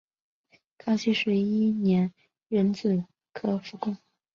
康熙十一年壬子科副贡。